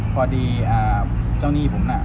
พอดีเจ้าหนี้ผมน่ะ